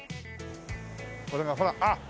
これがほらあっ！